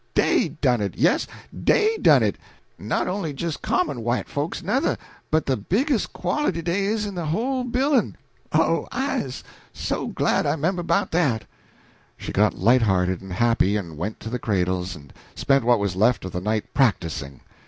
Dey done it yes, dey done it; en not on'y jis' common white folks nuther, but de biggest quality dey is in de whole bilin'. Oh, I's so glad I 'member 'bout dat!" She got up light hearted and happy, and went to the cradles and spent what was left of the night "practising."